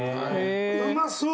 うまそう。